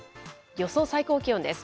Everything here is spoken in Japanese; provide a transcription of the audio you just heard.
予想最高気温です。